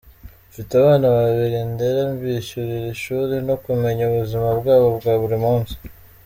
Mfite abana babiri ndera, mbishyurira ishuri no kumenya ubuzima bwabo bwa buri munsi…”.